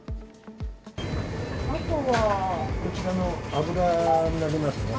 あとはこちらの油になりますね。